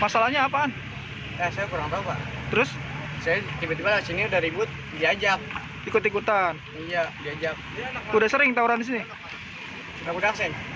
selain menangkap enam orang remaja